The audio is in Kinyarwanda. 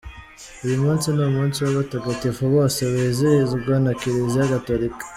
Uyu munsi ni umunsi w’abatagatifu bose wizihizwa na Kiliziya Gatolika.